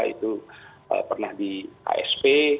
itu pernah di ksp